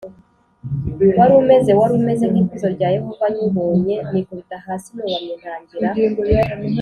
Wari umeze wari umeze nk ikuzo rya yehova nywubonye nikubita hasi nubamye ntangira